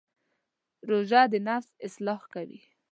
روژه د نفس اصلاح کوي.